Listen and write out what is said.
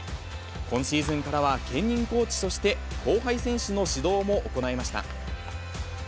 今シーズンからは兼任コーチとして、後輩選手の指導も行いました。